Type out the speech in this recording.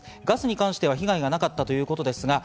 ガスに関しては被害がなかったということです。